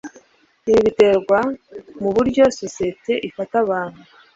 ibi biterwa nu buryo sosiyete ifata abantu